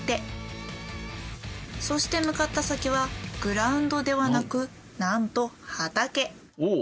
そして向かった先はグラウンドではなくなんと畑。